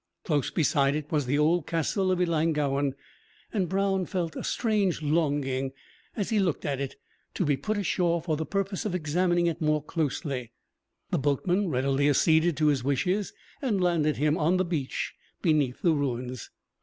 Close beside it was the old castle of Ellangowan; and Brown felt a strange longing, as he looked at it, to be put ashore for the purpose of examining it more closely. The boatman readily acceded to his wishes, and landed him on the beach beneath the ruins.